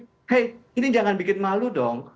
hei ini jangan bikin malu dong